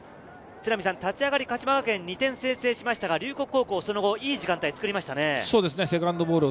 立ち上がり、鹿島学園、２点を先制しましたが、龍谷高校はその後、いい時間帯を作りましたね。